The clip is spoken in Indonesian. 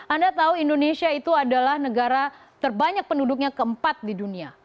anda tahu indonesia itu adalah negara terbanyak penduduknya keempat di dunia